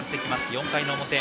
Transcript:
４回の表。